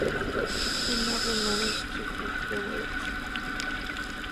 He never managed to fulfil it.